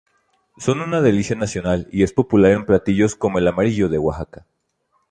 Son una delicia nacional y es popular en platillos como el "Amarillo" de Oaxaca.